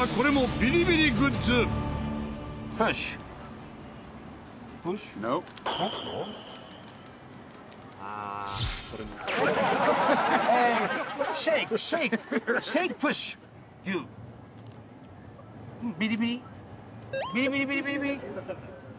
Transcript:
ビリビリビリビリ！